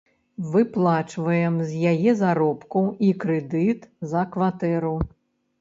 Выплачваем з яе заробку і крэдыт за кватэру.